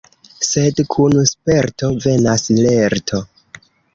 Sed kun sperto venas lerto.